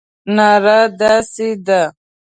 ناره داسې ده.